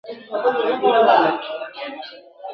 نصیب مي بیا پر هغه لاره آزمېیلی نه دی !.